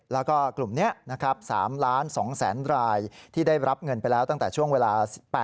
แล้วก็กลุ่มนี้นะครับ๓๒๐๐๐รายที่ได้รับเงินไปแล้วตั้งแต่ช่วงเวลา